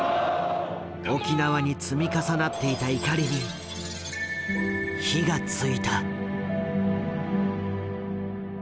沖縄に積み重なっていた怒りに火がついた。